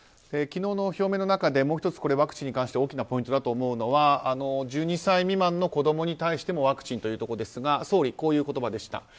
昨日の表明の中でワクチンに関して大きなポイントだと思うのは１２歳未満の子供に対してもワクチンということですが総理、こういう言葉でした。